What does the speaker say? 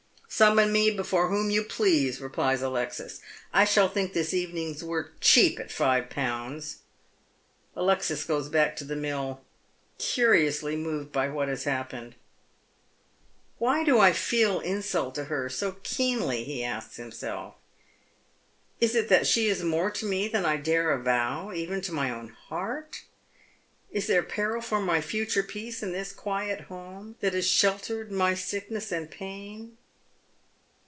•'Summon me before whom you please," replies Alexis. "I shall think this evening's work cheap at five pounds." Alexis goes back to the mill curiously moved by what has happened. " Why do I feel insult to her so keenly ?" he asks himself. " Is it that she is more to me than I dare avow even to my own heart ? Is there peril for my future peace in this quiet home that has sheltered my sickness and pain?